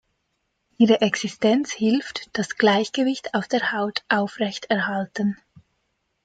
Ihre Existenz hilft das Gleichgewicht auf der Haut aufrechterhalten.